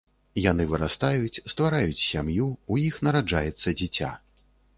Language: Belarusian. Яны вырастаюць, ствараюць сям'ю, у іх нараджаецца дзіця.